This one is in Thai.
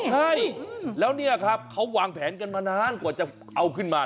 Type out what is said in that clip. ใช่แล้วเนี่ยครับเขาวางแผนกันมานานกว่าจะเอาขึ้นมา